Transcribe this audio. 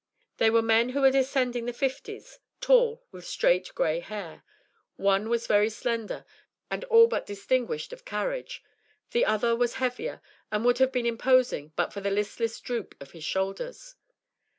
They were men who were descending the fifties, tall, with straight gray hair. One was very slender, and all but distinguished of carriage; the other was heavier, and would have been imposing but for the listless droop of his shoulders.